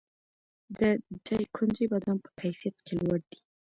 د دایکنډي بادام په کیفیت کې لوړ دي